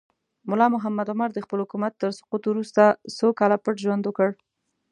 ملا محمد عمر د خپل حکومت تر سقوط وروسته څو کاله پټ ژوند وکړ.